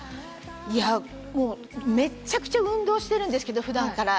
いや、めちゃくちゃ運動してるんですけど、普段から。